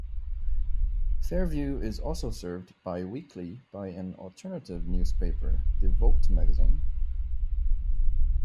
Fairview is also served bi-weekly by an alternative newspaper, The Vault Magazine.